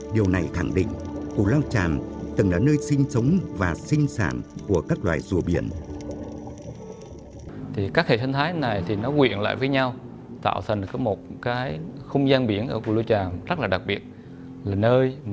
điều này khẳng định củ lao tràm từng là nơi sinh sống và sinh sản của các loài rùa biển